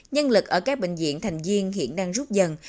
nhân lực ở các bệnh viện thành viên hiện đang rút dần